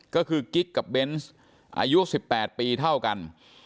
ก็คือกิ๊กกับเบนส์อายุ๑๘ปีเท่ากัน